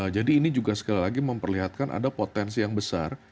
jadi ini juga sekali lagi memperlihatkan ada potensi yang besar